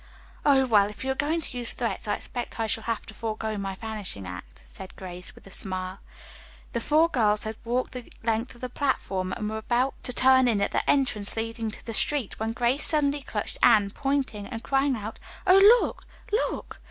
"Oh, well, if you are going to use threats I expect I shall have to forego my vanishing act," said Grace, with a smile. The four girls had walked the length of the platform and were about to turn in at the entrance leading to the street when Grace suddenly clutched Anne, pointing, and crying out, "Oh, look! look!"